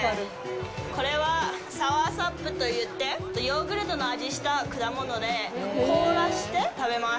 これはサワーサップといってヨーグルトの味した果物で凍らせて食べます。